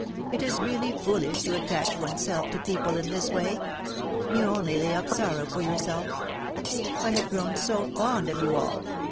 It is really foolish to attach one's self to people in this way; you only lay up sorrow for yourself — I had grown so fond of you all